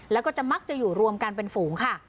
แล้วก็จะมักจะอยู่รวมกันเป็นฝูงค่ะ